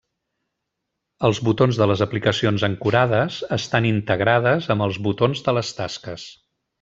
Els botons de les aplicacions ancorades estan integrades amb els botons de les tasques.